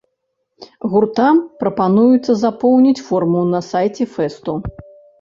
Гуртам прапануецца запоўніць форму на сайце фэсту.